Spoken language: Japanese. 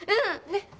ねっ。